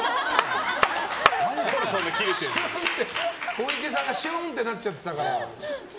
小池さんがしゅんってなっちゃってたから。